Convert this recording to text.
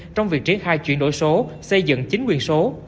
trong việc triển khai chuyển đổi số xây dựng chính quyền số